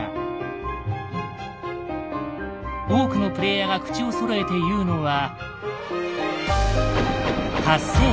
多くのプレイヤーが口をそろえて言うのは。